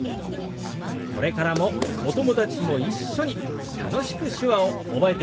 これからもお友達も一緒に楽しく手話を覚えていってくださいね。